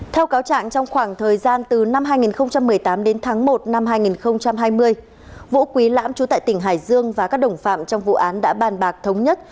theo cáo trạng trong khoảng thời gian từ năm hai nghìn một mươi tám đến tháng một năm hai nghìn hai mươi vũ quý lãm chú tại tỉnh hải dương và các đồng phạm trong vụ án đã bàn bạc thống nhất